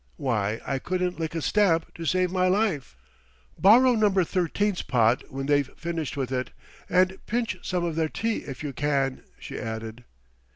Why, I couldn't lick a stamp to save my life. Borrow No. 13's pot when they've finished with it, and pinch some of their tea, if you can," she added.